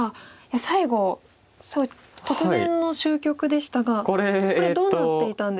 最後すごい突然の終局でしたがこれどうなっていたんですか？